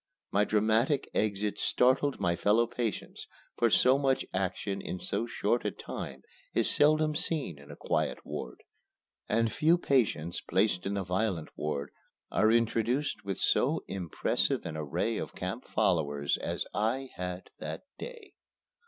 My dramatic exit startled my fellow patients, for so much action in so short a time is seldom seen in a quiet ward. And few patients placed in the violent ward are introduced with so impressive an array of camp followers as I had that day.